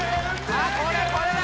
あっこれこれだ